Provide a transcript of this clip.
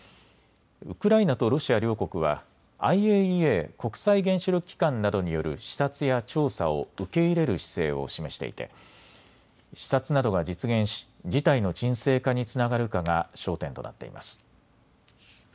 ウクライナとロシア両国はＩＡＥＡ・国際原子力機関などによる視察や調査を受け入れる姿勢を示していて視察などが実現し事態の沈静化につながるかが焦点となっています。